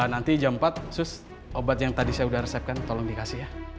nanti jam empat sus obat yang tadi saya sudah resepkan tolong dikasih ya